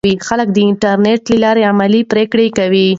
خلک د انټرنیټ له لارې علمي پریکړې کوي.